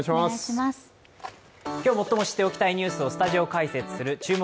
今日、最も知っておきたいニュースをスタジオ解説する「注目！